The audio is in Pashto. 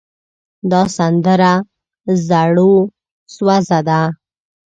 دا سندره زړوسوزه ده.